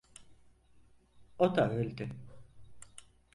O da öldü.